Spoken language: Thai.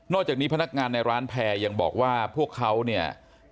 จากนี้พนักงานในร้านแพร่ยังบอกว่าพวกเขาเนี่ย